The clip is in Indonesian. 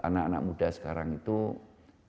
anak anak muda sekarang itu harus cepat